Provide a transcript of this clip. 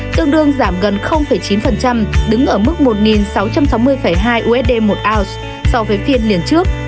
tương đương giảm gần chín đứng ở mức một sáu trăm sáu mươi hai usd một ounce so với phiên liền trước